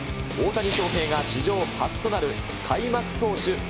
大谷翔平が史上初となる、開幕投手